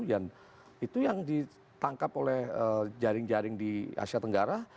dan itu yang ditangkap oleh jaring jaring di asia tenggara